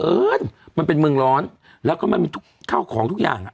เอิญมันเป็นเมืองร้อนแล้วก็มันมีทุกข้าวของทุกอย่างอ่ะ